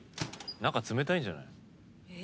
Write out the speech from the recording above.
中冷たいんじゃない？え